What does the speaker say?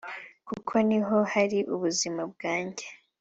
kuko ni ho hari ubuzima bwanjye